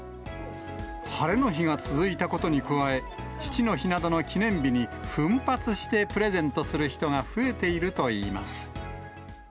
晴れの日が続いたことに加え、父の日などの記念日に奮発してプレゼントする人が増えているといいます。